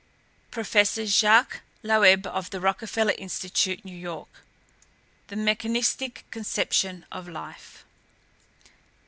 * Professor Jacques Loeb, of the Rockefeller Institute, New York, "The Mechanistic Conception of Life."